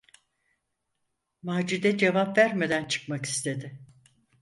Macide cevap vermeden çıkmak istedi.